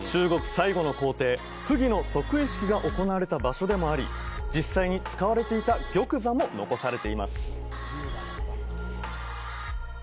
最後の皇帝・溥儀の即位式が行われた場所でもあり実際に使われていた玉座も残されています